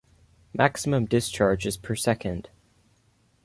Maximum discharge is per second.